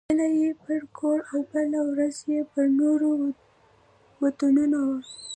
بله یې پر کور او بله ورځ یې پر نورو وطنونو وه.